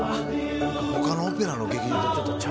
他のオペラの劇場とちょっとちゃうな。